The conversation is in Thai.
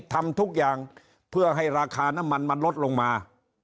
ทำทุกอย่างเพื่อให้ราคาน้ำมันมันลดลงมา